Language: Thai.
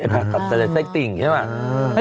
ผ่าตัดแต่ละไส้ติ่งใช่ไหม